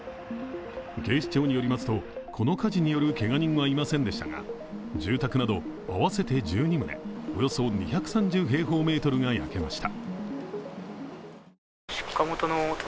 警視庁によりますと、この火事によるけが人はいませんでしたが、住宅など合わせて１２棟、およそ２３０平方メートルが焼けました。